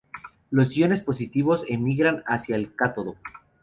Los iones positivos emigran hacia el cátodo.